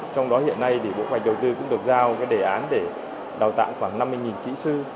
trong đó hiện nay bộ bạch đầu tư cũng được giao đề án để đào tạo khoảng năm mươi kỹ sư